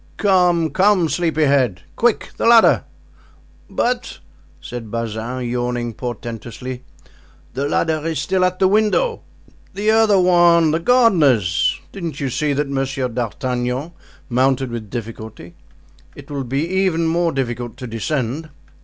"Come, come, sleepy head; quick, the ladder!" "But," said Bazin, yawning portentously, "the ladder is still at the window." "The other one, the gardener's. Didn't you see that Monsieur d'Artagnan mounted with difficulty? It will be even more difficult to descend."